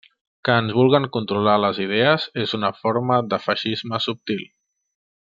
Que ens vulguen controlar les idees és una forma de feixisme subtil.